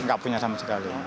nggak punya sama sekali